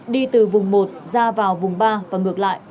đi từ vùng một ra vào vùng ba và ngược lại